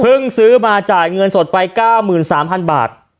ซื้อมาจ่ายเงินสดไป๙๓๐๐๐บาท